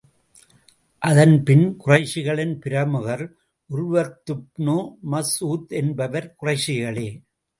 அதன்பின், குறைஷிகளின் பிரமுகர் உர்வத்துப்னு மஸ்ஊத் என்பவர், குறைஷிகளே!